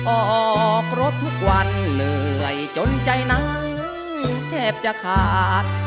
ออกรถทุกวันเหนื่อยจนใจนั้นแทบจะขาด